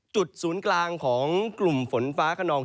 ศูนย์กลางของกลุ่มฝนฟ้าขนอง